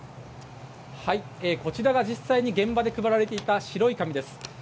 こちらが実際に現場で配られていた白い紙です。